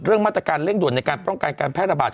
มาตรการเร่งด่วนในการป้องกันการแพร่ระบาด